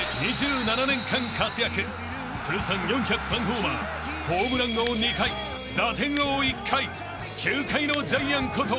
［通算４０３ホーマーホームラン王２回打点王１回球界のジャイアンこと］